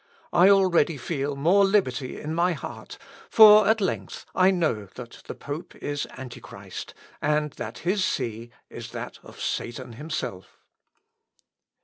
I already feel more liberty in my heart; for at length I know that the pope is Antichrist, and that his see is that of Satan himself."